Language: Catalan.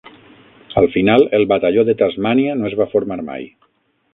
Al final, el batalló de Tasmània no es va formar mai.